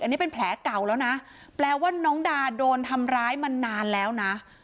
อันนี้เป็นแผลเก่าแล้วนะแปลว่าน้องดาโดนทำร้ายมานานแล้วนะ